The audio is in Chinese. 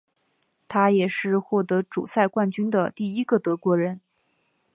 他也是获得主赛冠军的第一个德国人。